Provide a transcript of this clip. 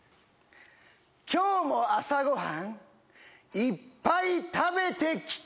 今日も朝ごはんいっぱい食べて来た！